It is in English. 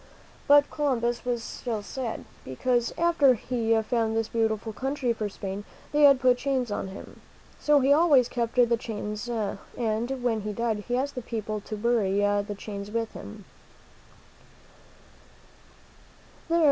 But Columbus was still sad, because after he had found this beautiful country for Spain, they had put chains on him. So he always kept the chains, and when he died, he asked the people to bury the chains with him.